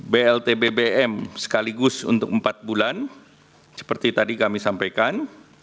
blt bbm sekaligus untuk empat bulan seperti tadi kami sampaikan